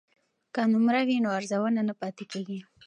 که نمره وي نو ارزونه نه پاتې کیږي.